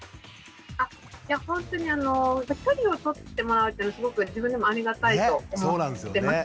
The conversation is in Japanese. あっほんとに距離を取ってもらうっていうのはすごく自分でもありがたいと思ってます。